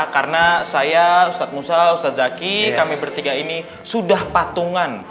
karena saya ustadz musa ustadz zaky kami bertiga ini sudah patungan